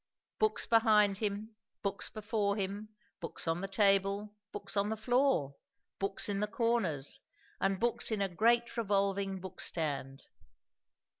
Books behind him, books before him, books on the table, books on the floor, books in the corners, and books in a great revolving bookstand.